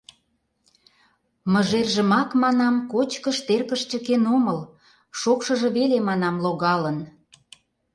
Мыжержымак, манам, кочкыш теркыш чыкен омыл, шокшыжо веле, манам, логалын.